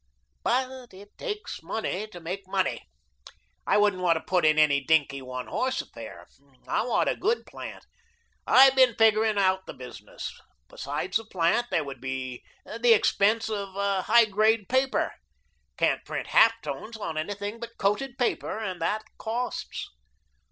But it takes money to make money. I wouldn't want to put in any dinky, one horse affair. I want a good plant. I've been figuring out the business. Besides the plant, there would be the expense of a high grade paper. Can't print half tones on anything but coated paper, and that COSTS.